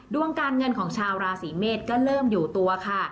ดวงการเงินของชาวราศีเมษก็เริ่มอยู่ตัวค่ะ